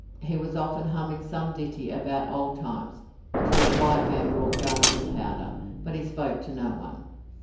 He was often humming some ditty about old times before the white man brought guns and powder, but he spoke to no one.